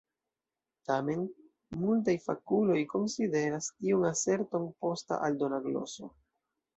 Tamen, multaj fakuloj konsideras tiun aserton posta aldona gloso.